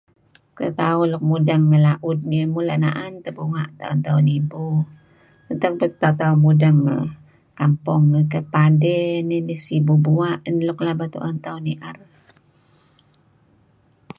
Detauh nuk mudeng ngi la'ud nih mula' na'an teh bunga' tu'en tauh nibu. Utak tauh mudeng ngi kampung ngih, padey nidih, sibu bua' neh nuk pelaba tu'en tauh ni'er